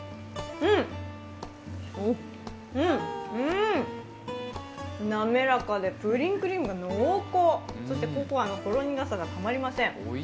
うん、うん、滑らかでプリンクリームが濃厚、そして、ココアのほろ苦さがたまりません。